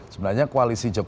sebenarnya koalisi jokowi